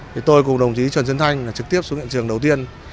thì tôi cùng đồng chí trần xuân thanh trực tiếp xuống hiện trường đầu tiên